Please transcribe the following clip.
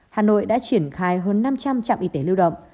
hà nội đã triển khai hơn năm trăm linh trạm y tế lưu động